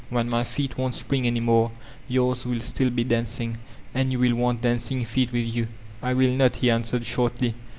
When my feet won't spring any more^ yours will still be dancing. And you wiU want ^a^«nng feet with you." "I will not," he answered shortly.